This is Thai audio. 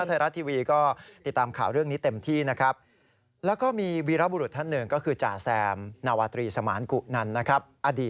ไทยรัฐทีวีก็ติดตามข่าวเรื่องนี้เต็มที่นะครับ